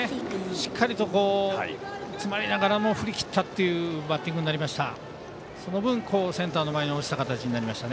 しっかりと詰まりながらも振り切ったというバッティングになりました。